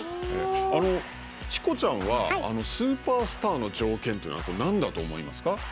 チコちゃんは、スーパースターの条件というのは何だと思いますか。